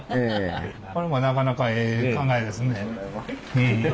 これもなかなかええ考えですね。